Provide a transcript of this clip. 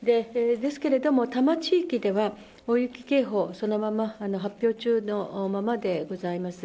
ですけれども、多摩地域では大雪警報、そのまま、発表中のままでございます。